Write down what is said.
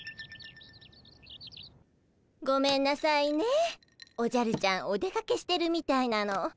ごめんなさいねおじゃるちゃんお出かけしてるみたいなの。